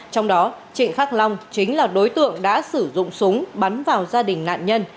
trong đó trịnh khắc long chính là đối tượng đã sử dụng súng bắn vào gia đình nạn nhân